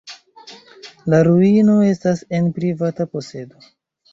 La ruino estas en privata posedo.